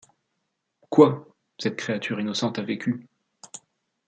Quoi ! cette créature innocente a vécu